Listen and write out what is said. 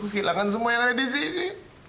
hilangkan semua yang ada disini